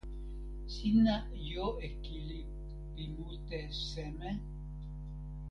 sina jo e kili pi mute seme?